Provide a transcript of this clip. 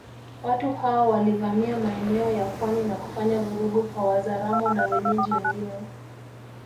Watu hao walivamia maeneo ya pwani na kufanya vurugu kwa Wazaramo na wenyeji wengine